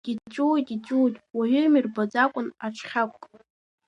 Иҵәыуоит, иҵәыуоит, иҵәыуоит, уаҩы имырбаӡакәан аҽхьак.